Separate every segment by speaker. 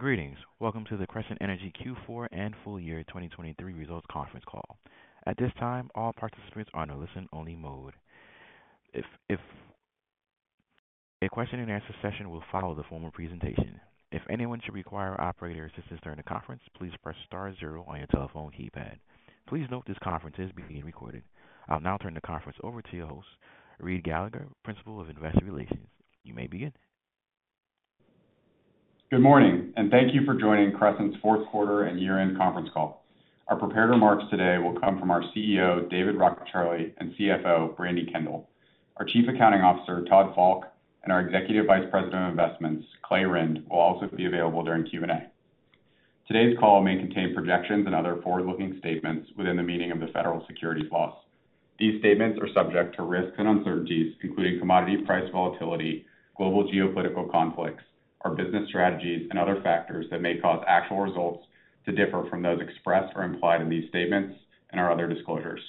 Speaker 1: Greetings. Welcome to the Crescent Energy Q4 and Full Year 2023 Results Conference Call. At this time, all participants are in a listen-only mode. A question-and-answer session will follow the formal presentation. If anyone should require operator assistance during the conference, please press star zero on your telephone keypad. Please note this conference is being recorded. I'll now turn the conference over to your host, Reid Gallagher, Principal of Investor Relations. You may begin.
Speaker 2: Good morning, and thank you for joining Crescent's fourth quarter and year-end conference call. Our prepared remarks today will come from our CEO, David Rockecharlie, and CFO, Brandi Kendall. Our Chief Accounting Officer, Todd Falk, and our Executive Vice President of Investments, Clay Rynd, will also be available during Q&A. Today's call may contain projections and other forward-looking statements within the meaning of the Federal Securities Laws. These statements are subject to risks and uncertainties, including commodity price volatility, global geopolitical conflicts, our business strategies, and other factors that may cause actual results to differ from those expressed or implied in these statements and our other disclosures.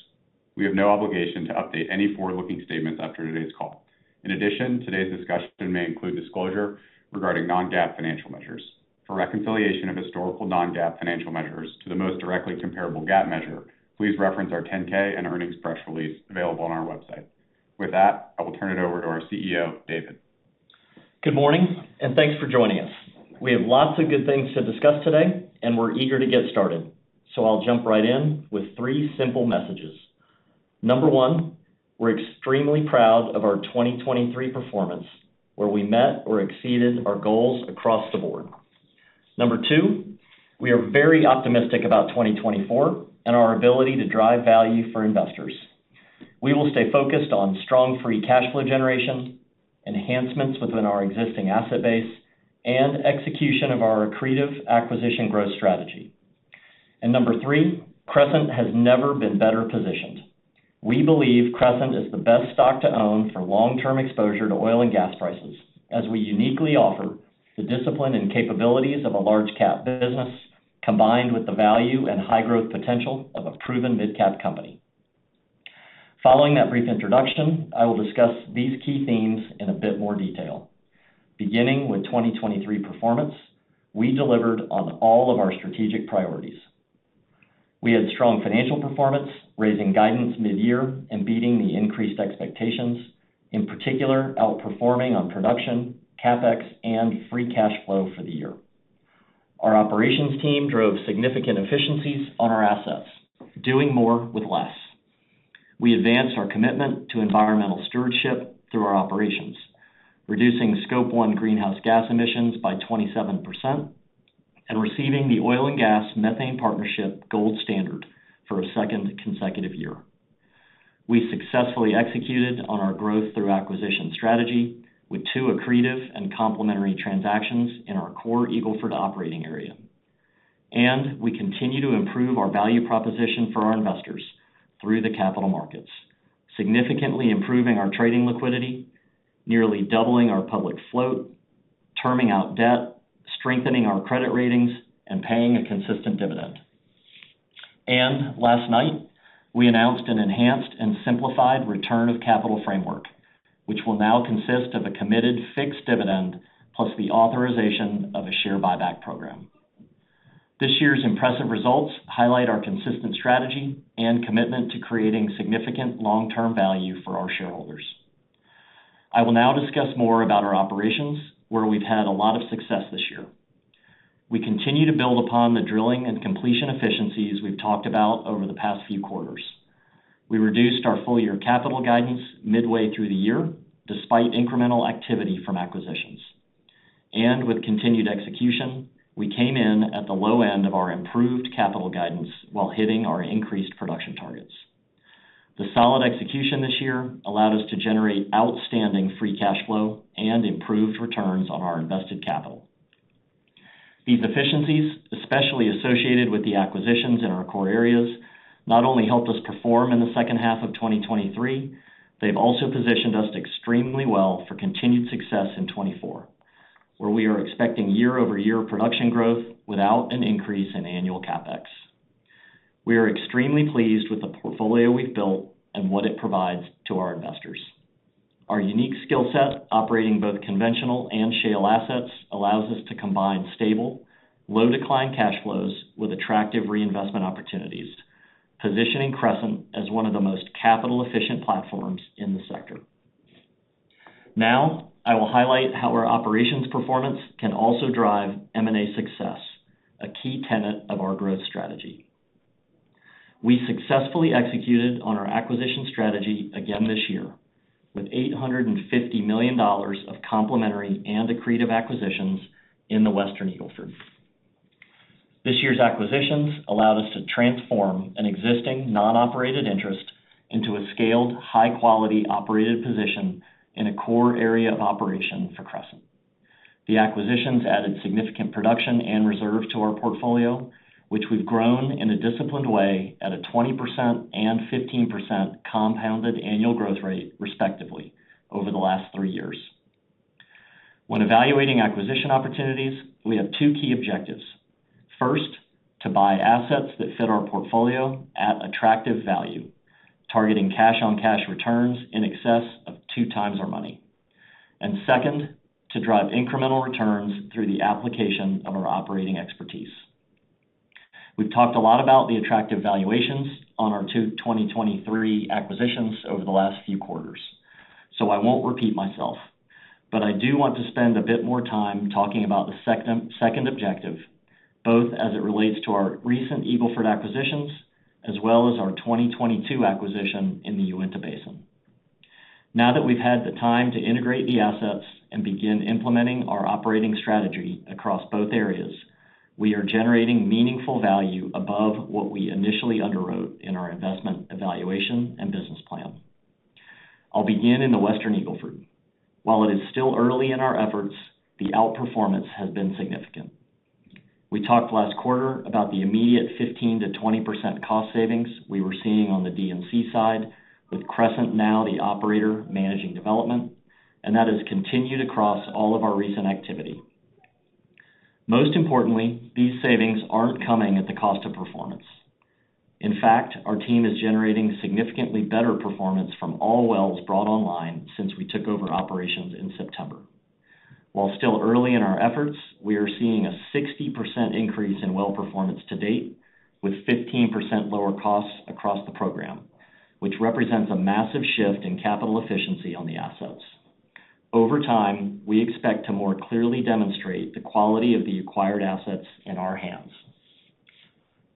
Speaker 2: We have no obligation to update any forward-looking statements after today's call. In addition, today's discussion may include disclosure regarding non-GAAP financial measures. For reconciliation of historical non-GAAP financial measures to the most directly comparable GAAP measure, please reference our 10-K and earnings press release available on our website. With that, I will turn it over to our CEO, David.
Speaker 3: Good morning, and thanks for joining us. We have lots of good things to discuss today, and we're eager to get started, so I'll jump right in with three simple messages. Number one, we're extremely proud of our 2023 performance, where we met or exceeded our goals across the board. Number two, we are very optimistic about 2024 and our ability to drive value for investors. We will stay focused on strong free cash flow generation, enhancements within our existing asset base, and execution of our accretive acquisition growth strategy. Number three, Crescent has never been better positioned. We believe Crescent is the best stock to own for long-term exposure to oil and gas prices, as we uniquely offer the discipline and capabilities of a large-cap business combined with the value and high-growth potential of a proven mid-cap company. Following that brief introduction, I will discuss these key themes in a bit more detail. Beginning with 2023 performance, we delivered on all of our strategic priorities. We had strong financial performance, raising guidance mid-year and beating the increased expectations, in particular outperforming on production, CapEx, and free cash flow for the year. Our operations team drove significant efficiencies on our assets, doing more with less. We advanced our commitment to environmental stewardship through our operations, reducing Scope 1 greenhouse gas emissions by 27% and receiving the Oil and Gas Methane Partnership Gold Standard for a second consecutive year. We successfully executed on our growth-through-acquisition strategy with two accretive and complementary transactions in our core Eagle Ford operating area. We continue to improve our value proposition for our investors through the capital markets, significantly improving our trading liquidity, nearly doubling our public float, terming out debt, strengthening our credit ratings, and paying a consistent dividend. Last night, we announced an enhanced and simplified return of capital framework, which will now consist of a committed fixed dividend plus the authorization of a share buyback program. This year's impressive results highlight our consistent strategy and commitment to creating significant long-term value for our shareholders. I will now discuss more about our operations, where we've had a lot of success this year. We continue to build upon the drilling and completion efficiencies we've talked about over the past few quarters. We reduced our full-year capital guidance midway through the year despite incremental activity from acquisitions. With continued execution, we came in at the low end of our improved capital guidance while hitting our increased production targets. The solid execution this year allowed us to generate outstanding free cash flow and improved returns on our invested capital. These efficiencies, especially associated with the acquisitions in our core areas, not only helped us perform in the second half of 2023, they've also positioned us extremely well for continued success in 2024, where we are expecting year-over-year production growth without an increase in annual CapEx. We are extremely pleased with the portfolio we've built and what it provides to our investors. Our unique skill set, operating both conventional and shale assets, allows us to combine stable, low-decline cash flows with attractive reinvestment opportunities, positioning Crescent as one of the most capital-efficient platforms in the sector. Now, I will highlight how our operations performance can also drive M&A success, a key tenet of our growth strategy. We successfully executed on our acquisition strategy again this year with $850 million of complementary and accretive acquisitions in the Western Eagle Ford. This year's acquisitions allowed us to transform an existing non-operated interest into a scaled, high-quality operated position in a core area of operation for Crescent. The acquisitions added significant production and reserve to our portfolio, which we've grown in a disciplined way at a 20% and 15% compounded annual growth rate, respectively, over the last three years. When evaluating acquisition opportunities, we have two key objectives. First, to buy assets that fit our portfolio at attractive value, targeting cash-on-cash returns in excess of 2x our money. And second, to drive incremental returns through the application of our operating expertise. We've talked a lot about the attractive valuations on our two 2023 acquisitions over the last few quarters, so I won't repeat myself. But I do want to spend a bit more time talking about the second objective, both as it relates to our recent Eagle Ford acquisitions as well as our 2022 acquisition in the Uinta Basin. Now that we've had the time to integrate the assets and begin implementing our operating strategy across both areas, we are generating meaningful value above what we initially underwrote in our investment evaluation and business plan. I'll begin in the Western Eagle Ford. While it is still early in our efforts, the outperformance has been significant. We talked last quarter about the immediate 15%-20% cost savings we were seeing on the D&C side, with Crescent now the operator managing development, and that has continued across all of our recent activity. Most importantly, these savings aren't coming at the cost of performance. In fact, our team is generating significantly better performance from all wells brought online since we took over operations in September. While still early in our efforts, we are seeing a 60% increase in well performance to date, with 15% lower costs across the program, which represents a massive shift in capital efficiency on the assets. Over time, we expect to more clearly demonstrate the quality of the acquired assets in our hands.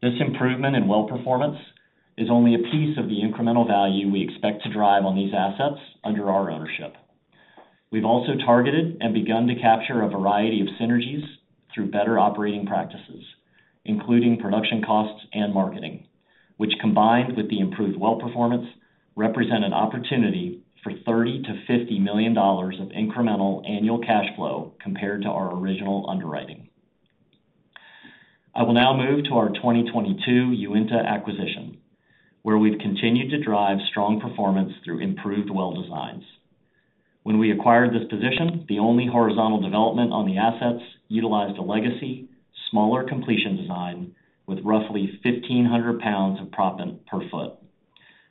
Speaker 3: This improvement in well performance is only a piece of the incremental value we expect to drive on these assets under our ownership. We've also targeted and begun to capture a variety of synergies through better operating practices, including production costs and marketing, which, combined with the improved well performance, represent an opportunity for $30-$50 million of incremental annual cash flow compared to our original underwriting. I will now move to our 2022 Uinta acquisition, where we've continued to drive strong performance through improved well designs. When we acquired this position, the only horizontal development on the assets utilized a legacy, smaller completion design with roughly 1,500 pounds of proppant per foot.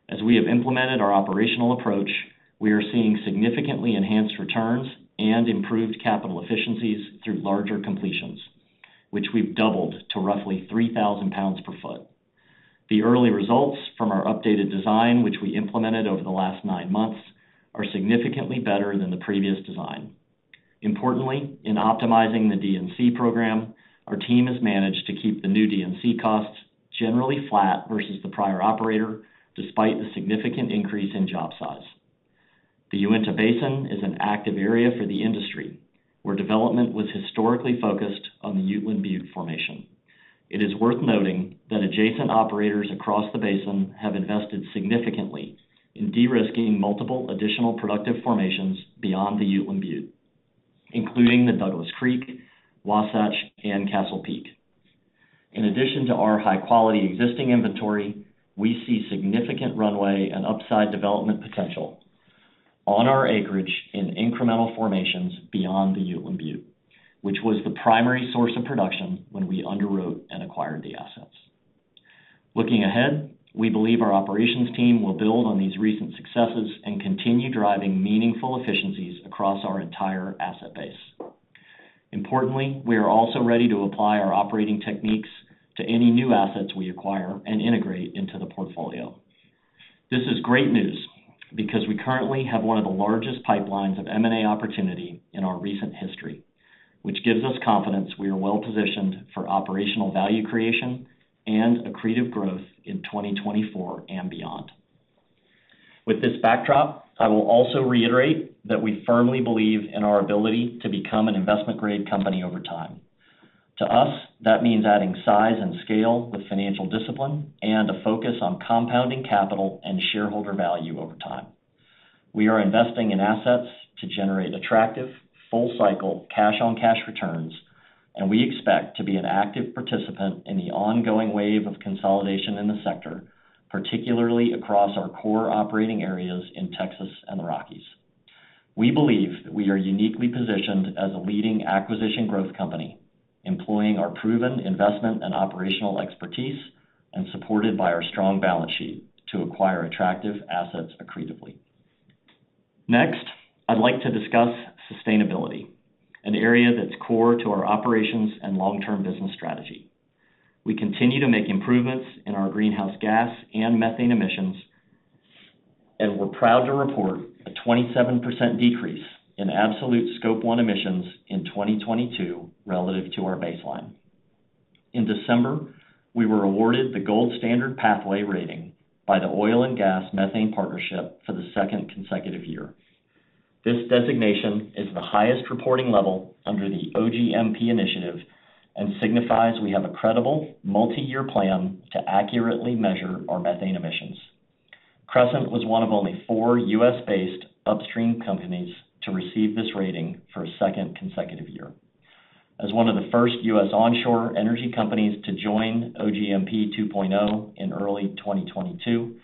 Speaker 3: As we have implemented our operational approach, we are seeing significantly enhanced returns and improved capital efficiencies through larger completions, which we've doubled to roughly 3,000 pounds per foot. The early results from our updated design, which we implemented over the last nine months, are significantly better than the previous design. Importantly, in optimizing the D&C program, our team has managed to keep the new D&C costs generally flat versus the prior operator despite the significant increase in job size. The Uinta Basin is an active area for the industry, where development was historically focused on the Uteland Butte formation. It is worth noting that adjacent operators across the basin have invested significantly in de-risking multiple additional productive formations beyond the Uteland Butte, including the Douglas Creek, Wasatch, and Castle Peak. In addition to our high-quality existing inventory, we see significant runway and upside development potential on our acreage in incremental formations beyond the Uteland Butte, which was the primary source of production when we underwrote and acquired the assets. Looking ahead, we believe our operations team will build on these recent successes and continue driving meaningful efficiencies across our entire asset base. Importantly, we are also ready to apply our operating techniques to any new assets we acquire and integrate into the portfolio. This is great news because we currently have one of the largest pipelines of M&A opportunity in our recent history, which gives us confidence we are well-positioned for operational value creation and accretive growth in 2024 and beyond. With this backdrop, I will also reiterate that we firmly believe in our ability to become an investment-grade company over time. To us, that means adding size and scale with financial discipline and a focus on compounding capital and shareholder value over time. We are investing in assets to generate attractive, full-cycle cash-on-cash returns, and we expect to be an active participant in the ongoing wave of consolidation in the sector, particularly across our core operating areas in Texas and the Rockies. We believe that we are uniquely positioned as a leading acquisition growth company, employing our proven investment and operational expertise and supported by our strong balance sheet to acquire attractive assets accretively. Next, I'd like to discuss sustainability, an area that's core to our operations and long-term business strategy. We continue to make improvements in our greenhouse gas and methane emissions, and we're proud to report a 27% decrease in absolute Scope 1 emissions in 2022 relative to our baseline. In December, we were awarded the Gold Standard Pathway rating by the Oil and Gas Methane Partnership for the second consecutive year. This designation is the highest reporting level under the OGMP initiative and signifies we have a credible, multi-year plan to accurately measure our methane emissions. Crescent was one of only four U.S.-based upstream companies to receive this rating for a second consecutive year. As one of the first U.S. onshore energy companies to join OGMP 2.0 in early 2022,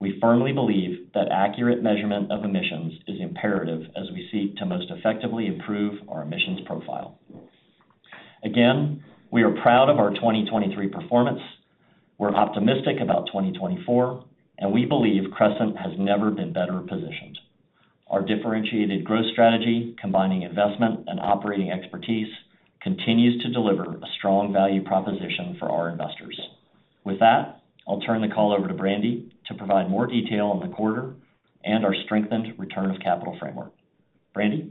Speaker 3: we firmly believe that accurate measurement of emissions is imperative as we seek to most effectively improve our emissions profile. Again, we are proud of our 2023 performance. We're optimistic about 2024, and we believe Crescent has never been better positioned. Our differentiated growth strategy, combining investment and operating expertise, continues to deliver a strong value proposition for our investors. With that, I'll turn the call over to Brandi to provide more detail on the quarter and our strengthened return of capital framework. Brandi?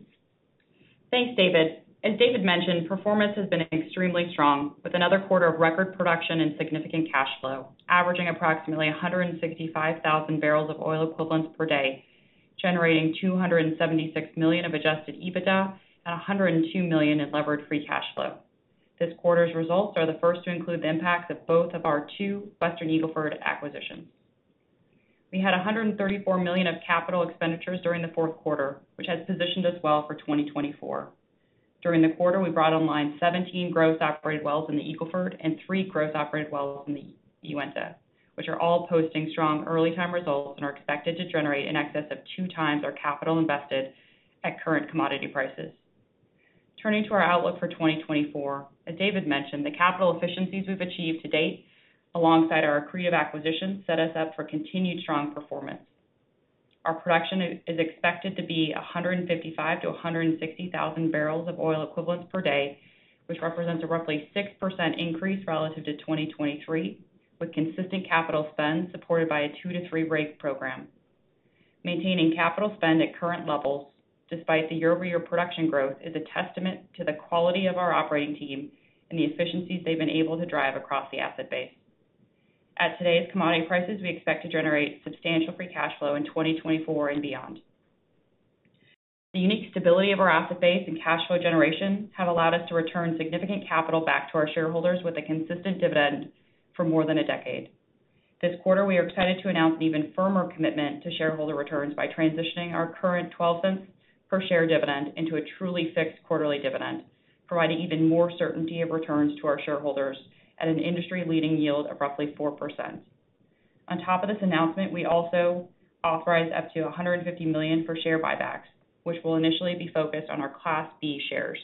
Speaker 4: Thanks, David. As David mentioned, performance has been extremely strong with another quarter of record production and significant cash flow, averaging approximately 165,000 barrels of oil equivalents per day, generating $276 million of Adjusted EBITDA and $102 million in Leveraged Free Cash Flow. This quarter's results are the first to include the impacts of both of our two Western Eagle Ford acquisitions. We had $134 million of capital expenditures during the fourth quarter, which has positioned us well for 2024. During the quarter, we brought online 17 gross operated wells in the Eagle Ford and three gross operated wells in the Uinta, which are all posting strong early-time results and are expected to generate in excess of 2x our capital invested at current commodity prices. Turning to our outlook for 2024, as David mentioned, the capital efficiencies we've achieved to date alongside our accretive acquisition set us up for continued strong performance. Our production is expected to be 155-160 thousand barrels of oil equivalents per day, which represents a roughly 6% increase relative to 2023, with consistent capital spend supported by a two to three rig program. Maintaining capital spend at current levels despite the year-over-year production growth is a testament to the quality of our operating team and the efficiencies they've been able to drive across the asset base. At today's commodity prices, we expect to generate substantial free cash flow in 2024 and beyond. The unique stability of our asset base and cash flow generation have allowed us to return significant capital back to our shareholders with a consistent dividend for more than a decade. This quarter, we are excited to announce an even firmer commitment to shareholder returns by transitioning our current $0.12 per share dividend into a truly fixed quarterly dividend, providing even more certainty of returns to our shareholders at an industry-leading yield of roughly 4%. On top of this announcement, we also authorize up to $150 million for share buybacks, which will initially be focused on our Class B shares.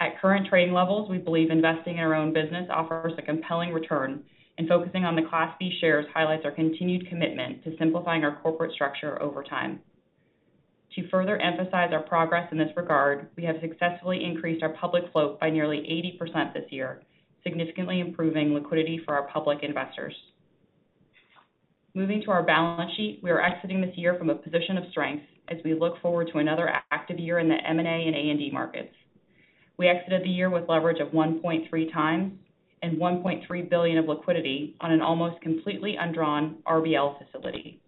Speaker 4: At current trading levels, we believe investing in our own business offers a compelling return, and focusing on the Class B shares highlights our continued commitment to simplifying our corporate structure over time. To further emphasize our progress in this regard, we have successfully increased our public float by nearly 80% this year, significantly improving liquidity for our public investors. Moving to our balance sheet, we are exiting this year from a position of strength as we look forward to another active year in the M&A and A&D markets. We exited the year with leverage of 1.3x and $1.3 billion of liquidity on an almost completely undrawn RBL facility.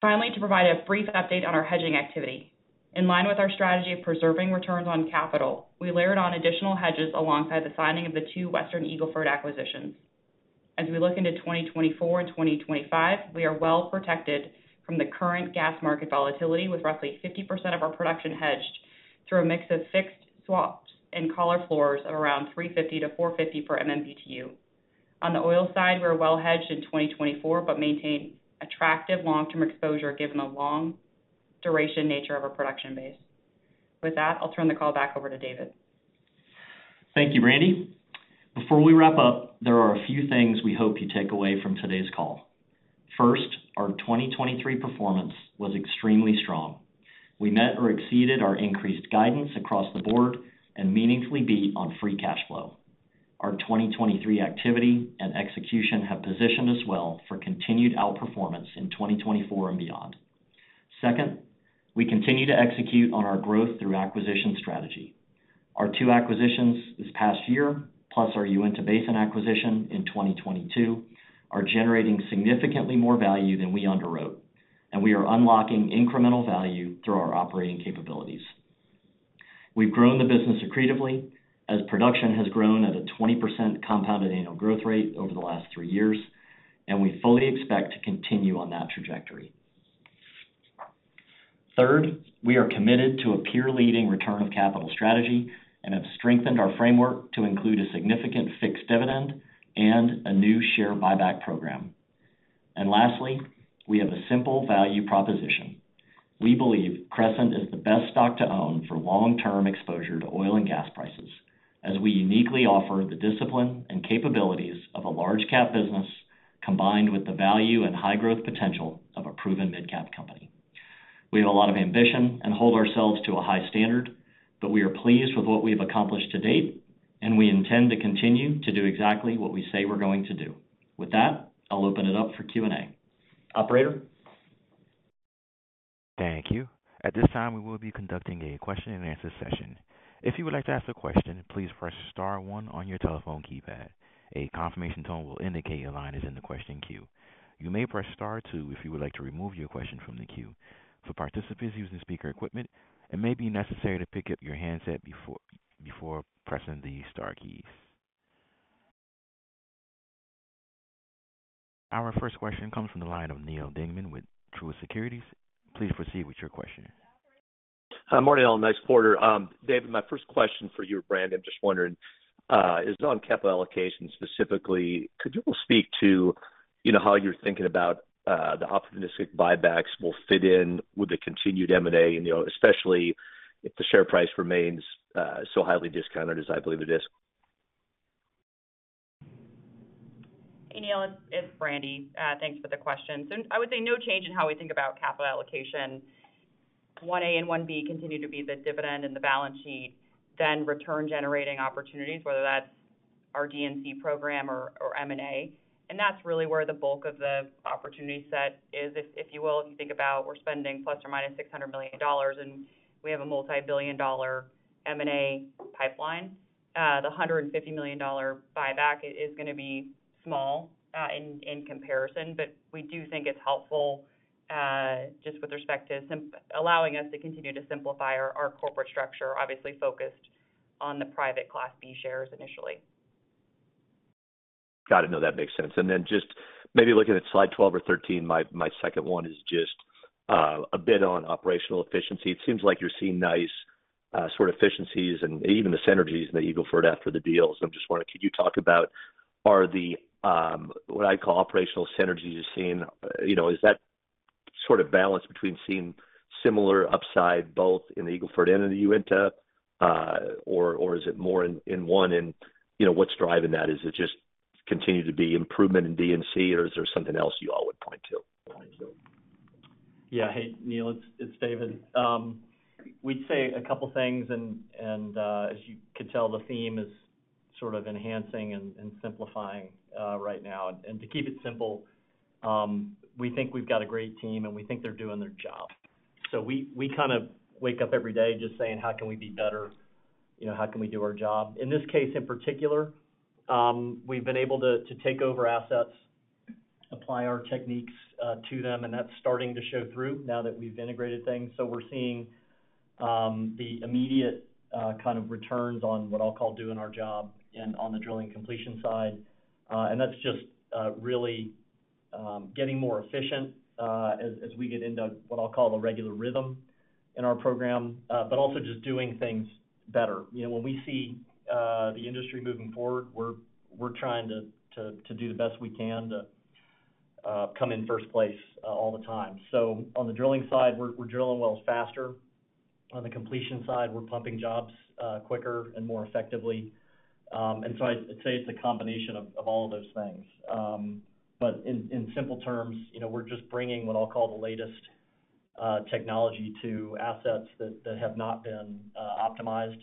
Speaker 4: Finally, to provide a brief update on our hedging activity, in line with our strategy of preserving returns on capital, we layered on additional hedges alongside the signing of the two Western Eagle Ford acquisitions. As we look into 2024 and 2025, we are well protected from the current gas market volatility, with roughly 50% of our production hedged through a mix of fixed swaps and collar floors of around 350-450 per MMBtu. On the oil side, we are well hedged in 2024 but maintain attractive long-term exposure given the long-duration nature of our production base. With that, I'll turn the call back over to David.
Speaker 3: Thank you, Brandi. Before we wrap up, there are a few things we hope you take away from today's call. First, our 2023 performance was extremely strong. We met or exceeded our increased guidance across the board and meaningfully beat on free cash flow. Our 2023 activity and execution have positioned us well for continued outperformance in 2024 and beyond. Second, we continue to execute on our growth through acquisition strategy. Our two acquisitions this past year, plus our Uinta Basin acquisition in 2022, are generating significantly more value than we underwrote, and we are unlocking incremental value through our operating capabilities. We've grown the business accretively as production has grown at a 20% compounded annual growth rate over the last three years, and we fully expect to continue on that trajectory. Third, we are committed to a peer-leading return of capital strategy and have strengthened our framework to include a significant fixed dividend and a new share buyback program. And lastly, we have a simple value proposition. We believe Crescent is the best stock to own for long-term exposure to oil and gas prices, as we uniquely offer the discipline and capabilities of a large-cap business combined with the value and high-growth potential of a proven mid-cap company. We have a lot of ambition and hold ourselves to a high standard, but we are pleased with what we have accomplished to date, and we intend to continue to do exactly what we say we're going to do. With that, I'll open it up for Q&A. Operator?
Speaker 1: Thank you. At this time, we will be conducting a question-and-answer session. If you would like to ask a question, please press star one on your telephone keypad. A confirmation tone will indicate your line is in the question queue. You may press star two if you would like to remove your question from the queue. For participants using speaker equipment, it may be necessary to pick up your handset before pressing the star keys. Our first question comes from the line of Neal Dingmann with Truist Securities. Please proceed with your question.
Speaker 5: Morning, all. Nice quarter. David, my first question for you or Brandi, I'm just wondering, is on capital allocation specifically. Could you all speak to how you're thinking about the opportunistic buybacks will fit in with the continued M&A, especially if the share price remains so highly discounted as I believe it is?
Speaker 4: Hey, Neal. It's Brandi. Thanks for the question. So I would say no change in how we think about capital allocation. 1A and 1B continue to be the dividend and the balance sheet, then return-generating opportunities, whether that's our D&C program or M&A. And that's really where the bulk of the opportunity set is, if you will. If you think about, we're spending plus or minus $600 million, and we have a multi-billion dollar M&A pipeline. The $150 million buyback is going to be small in comparison, but we do think it's helpful just with respect to allowing us to continue to simplify our corporate structure, obviously focused on the private Class B shares initially.
Speaker 5: Got it. No, that makes sense. Then just maybe looking at slide 12 or 13, my second one is just a bit on operational efficiency. It seems like you're seeing nice sort of efficiencies and even the synergies in the Eagle Ford after the deals. I'm just wondering, could you talk about what I'd call operational synergies you're seeing? Is that sort of balance between seeing similar upside both in the Eagle Ford and in the Uinta, or is it more in one? And what's driving that? Is it just continue to be improvement in D&C, or is there something else you all would point to?
Speaker 3: Yeah. Hey, Neal. It's David.We'd say a couple of things. And as you could tell, the theme is sort of enhancing and simplifying right now. And to keep it simple, we think we've got a great team, and we think they're doing their job. So we kind of wake up every day just saying, "How can we be better? How can we do our job?" In this case in particular, we've been able to take over assets, apply our techniques to them, and that's starting to show through now that we've integrated things. So we're seeing the immediate kind of returns on what I'll call doing our job and on the drilling completion side. And that's just really getting more efficient as we get into what I'll call the regular rhythm in our program, but also just doing things better. When we see the industry moving forward, we're trying to do the best we can to come in first place all the time. So on the drilling side, we're drilling wells faster. On the completion side, we're pumping jobs quicker and more effectively. And so I'd say it's a combination of all of those things. But in simple terms, we're just bringing what I'll call the latest technology to assets that have not been optimized,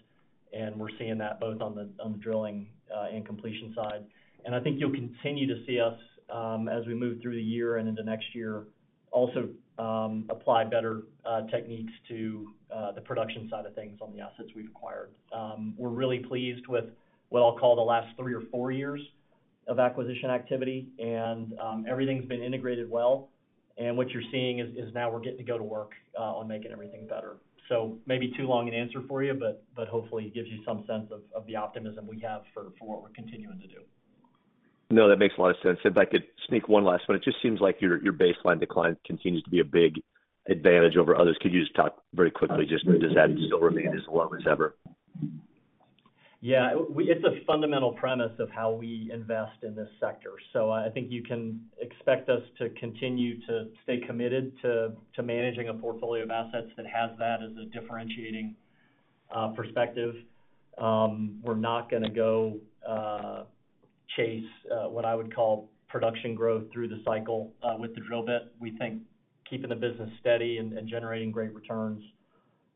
Speaker 3: and we're seeing that both on the drilling and completion side. And I think you'll continue to see us, as we move through the year and into next year, also apply better techniques to the production side of things on the assets we've acquired. We're really pleased with what I'll call the last three or four years of acquisition activity, and everything's been integrated well. And what you're seeing is now we're getting to go to work on making everything better. So maybe too long an answer for you, but hopefully it gives you some sense of the optimism we have for what we're continuing to do. No, that makes a lot of sense. If I could sneak one last one. It just seems like your baseline decline continues to be a big advantage over others. Could you just talk very quickly? Just does that still remain as low as ever? Yeah. It's a fundamental premise of how we invest in this sector. So I think you can expect us to continue to stay committed to managing a portfolio of assets that has that as a differentiating perspective. We're not going to go chase what I would call production growth through the cycle with the drill bit. We think keeping the business steady and generating great returns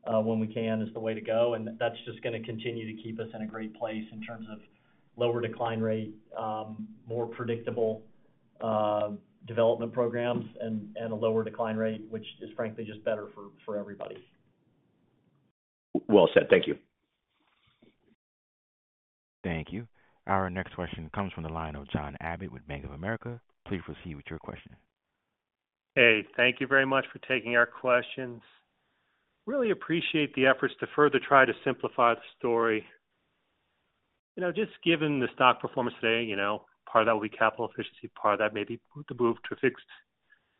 Speaker 3: when we can is the way to go. And that's just going to continue to keep us in a great place in terms of lower decline rate, more predictable development programs, and a lower decline rate, which is frankly just better for everybody.
Speaker 5: Well said. Thank you.
Speaker 1: Thank you. Our next question comes from the line of John Abbott with Bank of America. Please proceed with your question.
Speaker 6: Hey, thank you very much for taking our questions. Really appreciate the efforts to further try to simplify the story. Just given the stock performance today, part of that will be capital efficiency, part of that may be the move to a fixed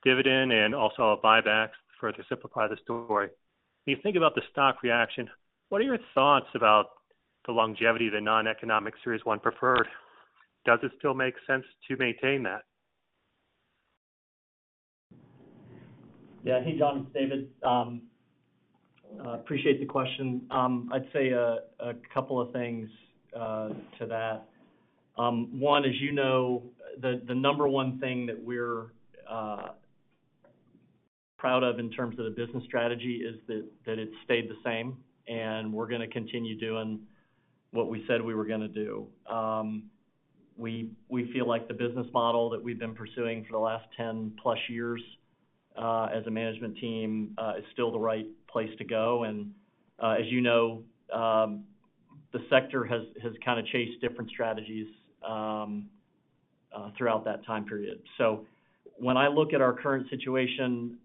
Speaker 6: dividend and also all buybacks to further simplify the story. When you think about the stock reaction, what are your thoughts about the longevity of the non-economic Series I Preferred? Does it still make sense to maintain that?
Speaker 3: Yeah. Hey, John. It's David. Appreciate the question. I'd say a couple of things to that. One, as you know, the number one thing that we're proud of in terms of the business strategy is that it's stayed the same, and we're going to continue doing what we said we were going to do. We feel like the business model that we've been pursuing for the last 10+ years as a management team is still the right place to go. And as you know, the sector has kind of chased different strategies throughout that time period. So when I look at our current situation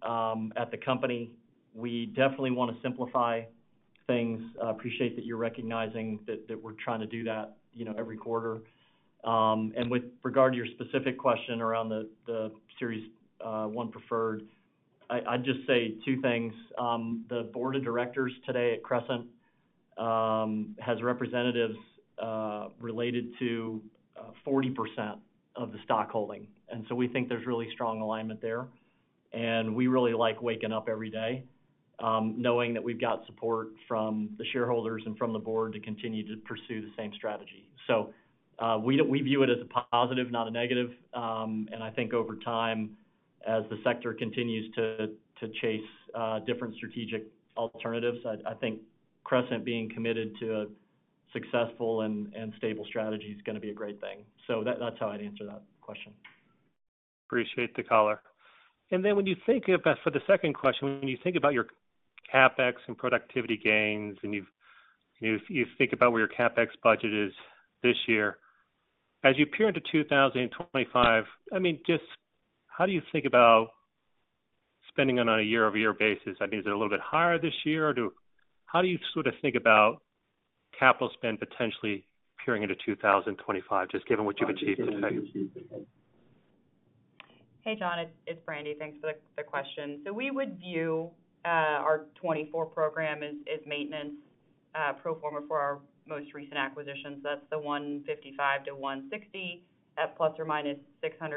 Speaker 3: at the company, we definitely want to simplify things. I appreciate that you're recognizing that we're trying to do that every quarter. With regard to your specific question around the Series I Preferred, I'd just say two things. The board of directors today at Crescent has representatives related to 40% of the stockholding. So we think there's really strong alignment there. We really like waking up every day knowing that we've got support from the shareholders and from the board to continue to pursue the same strategy. So we view it as a positive, not a negative. I think over time, as the sector continues to chase different strategic alternatives, I think Crescent being committed to a successful and stable strategy is going to be a great thing. That's how I'd answer that question.
Speaker 6: Appreciate the collar. Then when you think about for the second question, when you think about your CapEx and productivity gains and you think about where your CapEx budget is this year, as you peer into 2025, I mean, just how do you think about spending on a year-over-year basis? I mean, is it a little bit higher this year, or do how do you sort of think about capital spend potentially peering into 2025, just given what you've achieved today?
Speaker 4: Hey, John. It's Brandi. Thanks for the question. So we would view our 2024 program as maintenance pro forma for our most recent acquisitions. That's the 155-160 at ±$600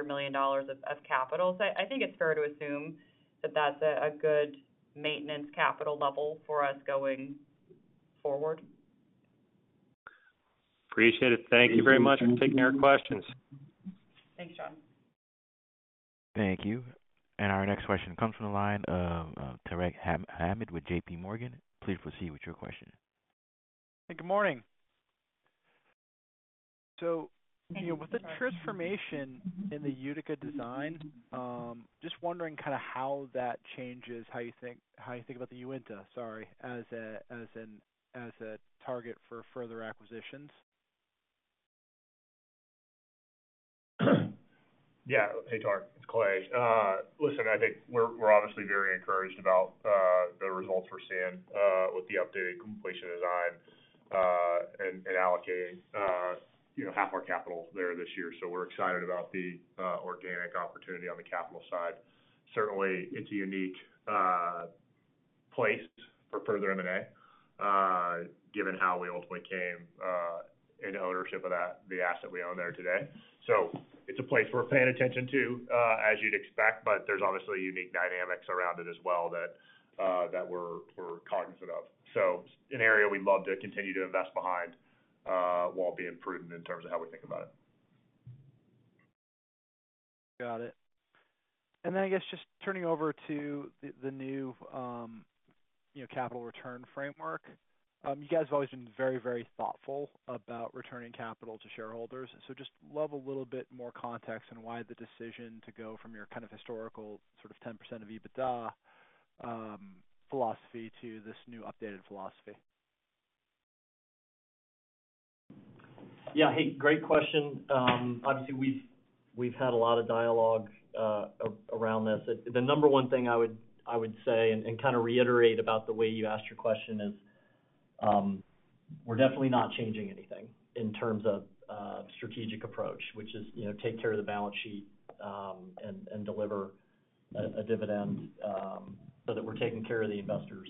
Speaker 4: million of capital. So I think it's fair to assume that that's a good maintenance capital level for us going forward.
Speaker 6: Appreciate it. Thank you very much for taking our questions.
Speaker 4: Thanks, John.
Speaker 1: Thank you. And our next question comes from the line of Tarek Hamid with JPMorgan. Please proceed with your question.
Speaker 7: Hey, good morning. So with the transformation in the Utica design, just wondering kind of how that changes how you think about the Uinta, sorry, as a target for further acquisitions.
Speaker 8: Yeah. Hey, Tarek. It's Clay. Listen, I think we're obviously very encouraged about the results we're seeing with the updated completion design and allocating half our capital there this year. So we're excited about the organic opportunity on the capital side. Certainly, it's a unique place for further M&A, given how we ultimately came into ownership of the asset we own there today. So it's a place we're paying attention to, as you'd expect, but there's obviously unique dynamics around it as well that we're cognizant of. So it's an area we'd love to continue to invest behind while being prudent in terms of how we think about it.
Speaker 7: Got it. And then I guess just turning over to the new capital return framework, you guys have always been very, very thoughtful about returning capital to shareholders. So just love a little bit more context on why the decision to go from your kind of historical sort of 10% of EBITDA philosophy to this new updated philosophy.
Speaker 3: Yeah. Hey, great question. Obviously, we've had a lot of dialogue around this. The number one thing I would say and kind of reiterate about the way you asked your question is we're definitely not changing anything in terms of strategic approach, which is take care of the balance sheet and deliver a dividend so that we're taking care of the investors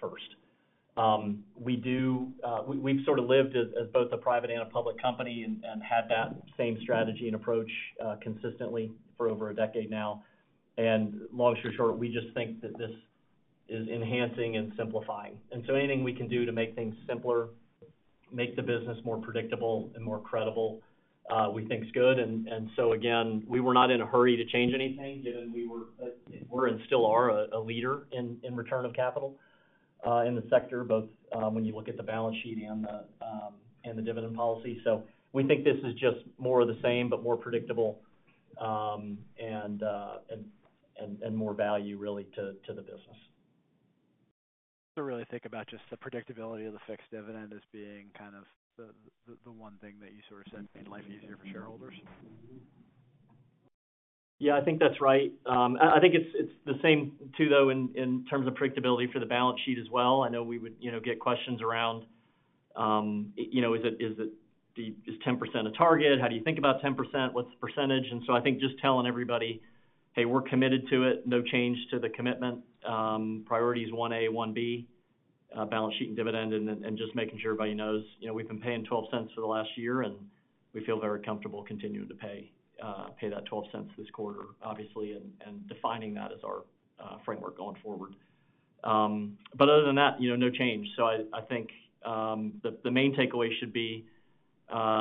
Speaker 3: first. We've sort of lived as both a private and a public company and had that same strategy and approach consistently for over a decade now. Long story short, we just think that this is enhancing and simplifying. So anything we can do to make things simpler, make the business more predictable and more credible, we think's good. Again, we were not in a hurry to change anything, given we were and still are a leader in return of capital in the sector, both when you look at the balance sheet and the dividend policy. We think this is just more of the same but more predictable and more value, really, to the business.
Speaker 7: Really think about just the predictability of the fixed dividend as being kind of the one thing that you sort of said made life easier for shareholders?
Speaker 3: Yeah, I think that's right. I think it's the same too, though, in terms of predictability for the balance sheet as well. I know we would get questions around, "Is 10% a target? How do you think about 10%? What's the percentage?" And so I think just telling everybody, "Hey, we're committed to it. No change to the commitment. Priorities 1A, 1B, balance sheet and dividend," and just making sure everybody knows, "We've been paying $0.12 for the last year, and we feel very comfortable continuing to pay that $0.12 this quarter, obviously, and defining that as our framework going forward." But other than that, no change. So I think the main takeaway should be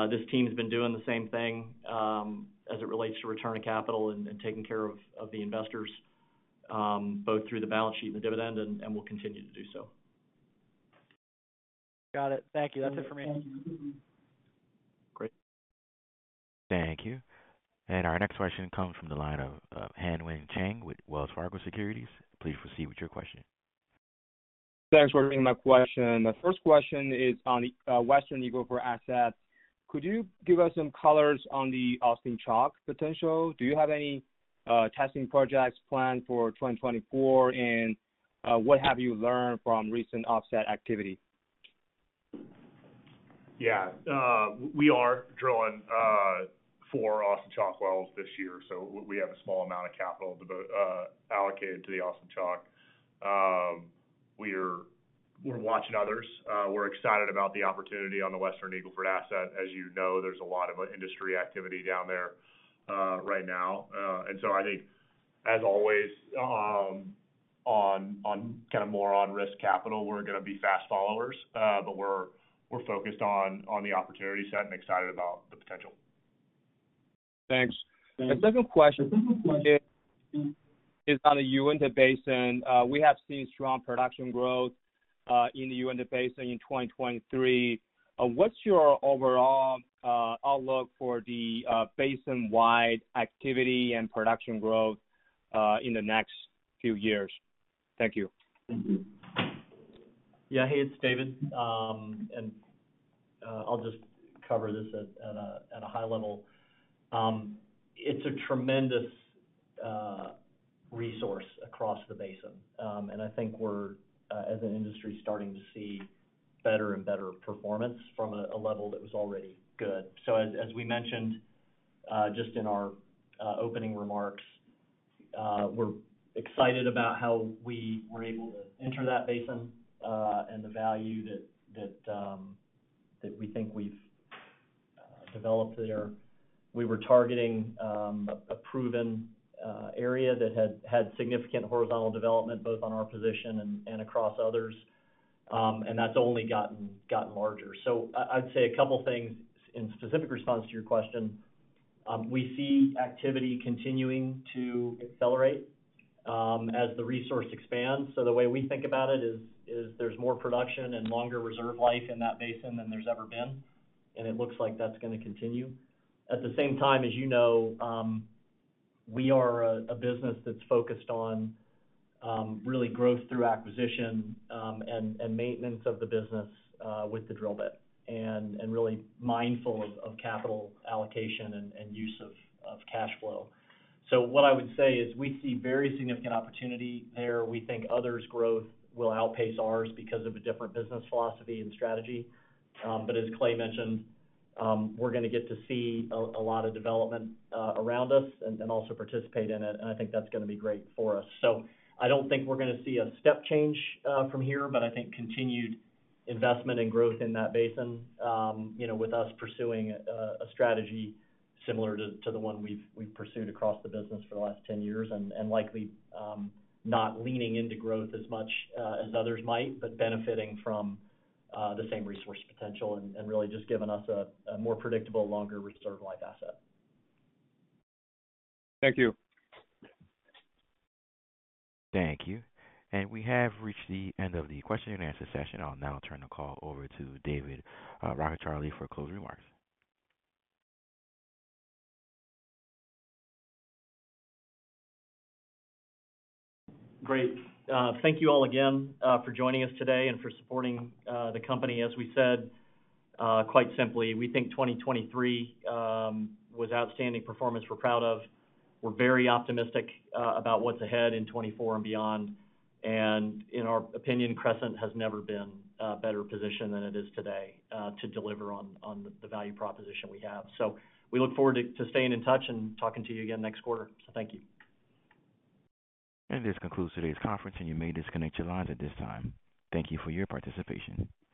Speaker 3: this team's been doing the same thing as it relates to return to capital and taking care of the investors, both through the balance sheet and the dividend, and we'll continue to do so.
Speaker 7: Got it. Thank you. That's it for me.
Speaker 3: Great.
Speaker 1: Thank you. And our next question comes from the line of Hanwen Chang with Wells Fargo Securities. Please proceed with your question.
Speaker 9: Thanks for bringing my question. The first question is on the Western Eagle Ford assets. Could you give us some colors on the Austin Chalk potential? Do you have any testing projects planned for 2024, and what have you learned from recent offset activity?
Speaker 8: Yeah. We are drilling 4 Austin Chalk wells this year, so we have a small amount of capital allocated to the Austin Chalk. We're watching others. We're excited about the opportunity on the Western Eagle Ford asset. As you know, there's a lot of industry activity down there right now. And so I think, as always, on kind of more on-risk capital, we're going to be fast followers, but we're focused on the opportunity set and excited about the potential.
Speaker 9: Thanks. The second question is on the Uinta Basin. We have seen strong production growth in the Uinta Basin in 2023. What's your overall outlook for the basin-wide activity and production growth in the next few years? Thank you.
Speaker 3: Thank you. Yeah. Hey, it's David. And I'll just cover this at a high level. It's a tremendous resource across the basin. And I think we're, as an industry, starting to see better and better performance from a level that was already good. So as we mentioned just in our opening remarks, we're excited about how we were able to enter that basin and the value that we think we've developed there. We were targeting a proven area that had significant horizontal development both on our position and across others, and that's only gotten larger. So I'd say a couple of things in specific response to your question. We see activity continuing to accelerate as the resource expands. So the way we think about it is there's more production and longer reserve life in that basin than there's ever been, and it looks like that's going to continue. At the same time, as you know, we are a business that's focused on really growth through acquisition and maintenance of the business with the drill bit and really mindful of capital allocation and use of cash flow. So what I would say is we see very significant opportunity there. We think others' growth will outpace ours because of a different business philosophy and strategy. But as Clay mentioned, we're going to get to see a lot of development around us and also participate in it, and I think that's going to be great for us. So I don't think we're going to see a step change from here, but I think continued investment and growth in that basin with us pursuing a strategy similar to the one we've pursued across the business for the last 10 years and likely not leaning into growth as much as others might but benefiting from the same resource potential and really just giving us a more predictable, longer reserve life asset.
Speaker 9: Thank you.
Speaker 1: Thank you. And we have reached the end of the question-and-answer session. I'll now turn the call over to David Rockecharlie for closing remarks.
Speaker 3: Great. Thank you all again for joining us today and for supporting the company. As we said, quite simply, we think 2023 was outstanding performance we're proud of. We're very optimistic about what's ahead in 2024 and beyond. In our opinion, Crescent has never been better positioned than it is today to deliver on the value proposition we have. We look forward to staying in touch and talking to you again next quarter. Thank you.
Speaker 1: This concludes today's conference, and you may disconnect your lines at this time. Thank you for your participation.